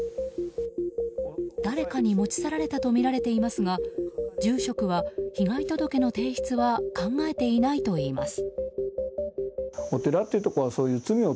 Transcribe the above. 誰かに持ち去られたとみられていますが住職は被害届の提出は考えていないといいます。